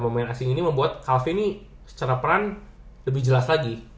pemain asing ini membuat kafe ini secara peran lebih jelas lagi